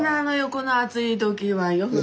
この暑い時は。